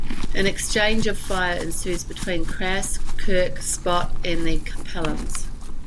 An exchange of fire ensues between Kras, Kirk, Spock and the Capellans.